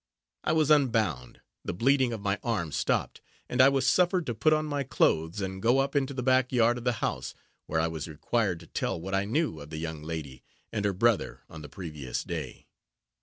I was unbound, the bleeding of my arm stopped, and I was suffered to put on my clothes, and go up into the back yard of the house, where I was required to tell what I knew of the young lady and her brother on the previous day.